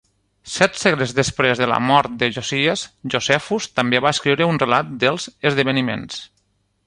Set segles després de la mort de Josies, Josefus també va escriure un relat dels esdeveniments.